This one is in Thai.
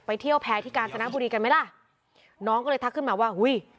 เที่ยวแพ้ที่กาญจนบุรีกันไหมล่ะน้องก็เลยทักขึ้นมาว่าอุ้ย